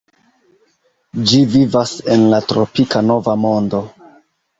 Ĝi vivas en la tropika Nova Mondo.